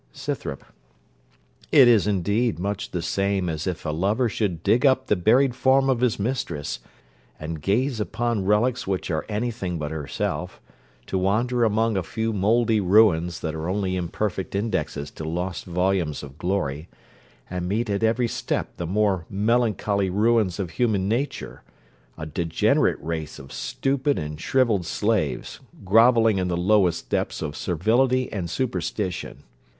SCYTHROP It is, indeed, much the same as if a lover should dig up the buried form of his mistress, and gaze upon relics which are any thing but herself, to wander among a few mouldy ruins, that are only imperfect indexes to lost volumes of glory, and meet at every step the more melancholy ruins of human nature a degenerate race of stupid and shrivelled slaves, grovelling in the lowest depths of servility and superstition.